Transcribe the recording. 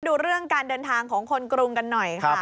ดูเรื่องการเดินทางของคนกรุงกันหน่อยค่ะ